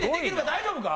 大丈夫か？